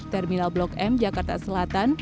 terminal blok m jakarta selatan